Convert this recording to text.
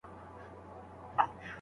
استاد یوازي د څېړني لاره ورته ښيي.